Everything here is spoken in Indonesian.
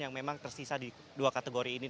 yang memang tersisa di dua kategori ini